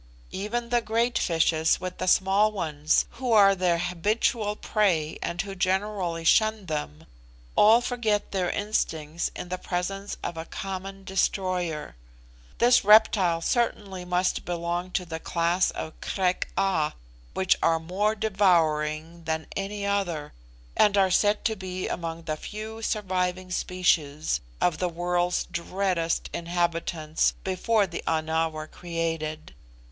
Even the great fishes with the small ones, who are their habitual prey and who generally shun them, all forget their instincts in the presence of a common destroyer. This reptile certainly must belong to the class of Krek a, which are more devouring than any other, and are said to be among the few surviving species of the world's dreadest inhabitants before the Ana were created.